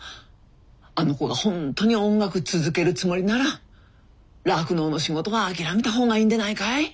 あの子が本当に音楽続けるつもりなら酪農の仕事は諦めた方がいいんでないかい？